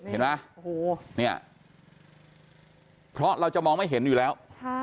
เห็นไหมโอ้โหเนี่ยเพราะเราจะมองไม่เห็นอยู่แล้ว